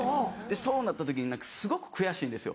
そうなった時にすごく悔しいんですよ。